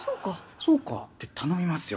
そうかって頼みますよ。